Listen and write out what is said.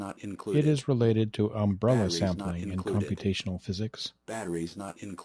It is related to umbrella sampling in computational physics.